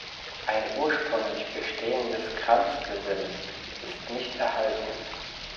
Ein ursprünglich bestehendes Kranzgesims ist nicht erhalten.